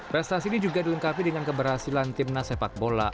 prestasi ini juga dilengkapi dengan keberhasilan timnas sepak bola